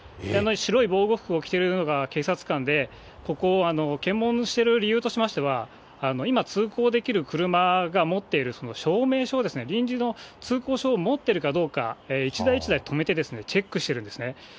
白い防護服を着ているのが警察官で、ここ、検問している理由としましては、今、通行できる車が持っている証明書を、臨時の通行証を持っているかどうか、一台一台止めてチェックしてるんですね。